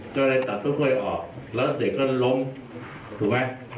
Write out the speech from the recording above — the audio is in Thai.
ก็เลยตัดต้นกล้วยออกแล้วเด็กก็ล้มถูกไหม